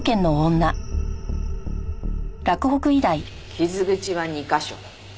傷口は２カ所。